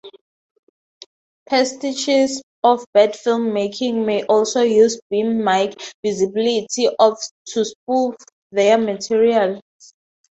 Pastiches of bad film-making may also use boom mic visibility to spoof their material.